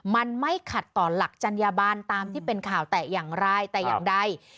มันไม่ขัดต่อหลักจัญญาบันตามที่เป็นข่าวแต่อย่างไรแต่อย่างใด